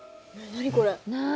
何これ？